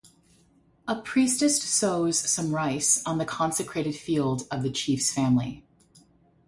A priestess sows some rice on the consecrated field of the chief's family.